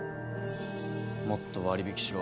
もっと割引しろ。